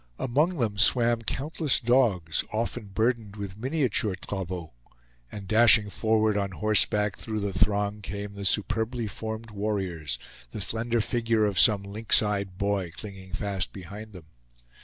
Among them swam countless dogs, often burdened with miniature travaux; and dashing forward on horseback through the throng came the superbly formed warriors, the slender figure of some lynx eyed boy, clinging fast behind them.